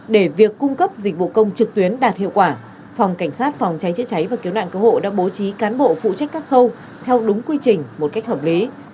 để việc cung cấp dịch vụ công trực tuyến đạt hiệu quả phòng cảnh sát phòng cháy chữa cháy và cứu nạn cứu hộ đã bố trí cán bộ phụ trách các khâu theo đúng quy trình một cách hợp lý